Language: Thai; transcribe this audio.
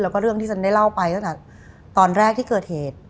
แล้วก็เรื่องที่ฉันได้เล่าไปตั้งแต่ตอนแรกที่เกิดเหตุ